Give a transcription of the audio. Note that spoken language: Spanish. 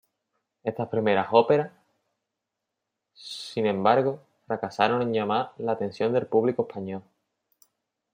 Estas primeras óperas, sin embargo, fracasaron en llamar la atención del público español.